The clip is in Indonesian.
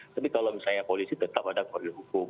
tapi kalau misalnya polisi tetap ada koridor hukum